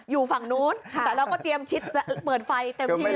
อยู่ฝั่งนู้นแต่เราก็เตรียมชิดแล้วเปิดไฟเต็มที่แหละว่า